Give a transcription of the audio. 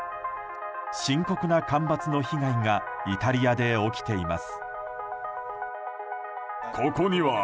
深刻な干ばつの被害がイタリアで起きています。